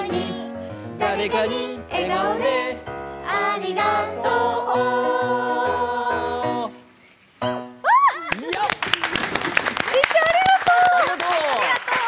りっちゃん、ありがとう。